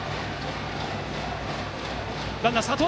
ランナー、スタート。